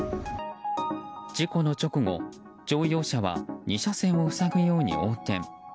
事故の直後、乗用車は２車線を塞ぐように横転。